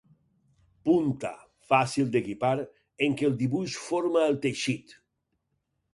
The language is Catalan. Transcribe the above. Punta, fàcil de guipar, en què el dibuix forma el teixit.